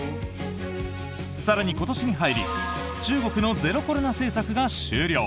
更に今年に入り中国のゼロコロナ政策が終了。